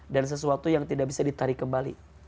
dan sesuatu yang tidak bisa ditarik kembali